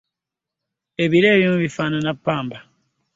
Ebire ebimu bifaanana ppamba.